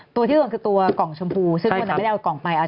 ตัวที่ร่วมคือตัวกล่องชมพูใช่ครับซึ่งคนไหนไม่ได้เอากล่องไปอ่า